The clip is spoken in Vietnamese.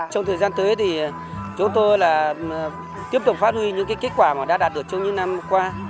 trong thời gian tới thì chúng tôi là tiếp tục phát huy những kết quả mà đã đạt được trong những năm qua